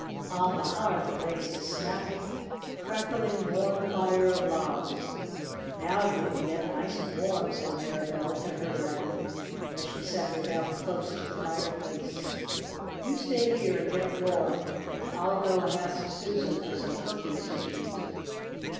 On the hearth blazed a snapping, crackling warm fire of logs. "Now you can get nice and warm," said Mirabell to her Lamb, as she set her down close to the fireplace. "You stay here and get warm, and I'll go and ask Susan for some cookies to eat."